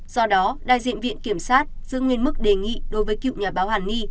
do đó đại diện viện kiểm sát giữ nguyên mức đề nghị đối với cựu nhà báo hàn ni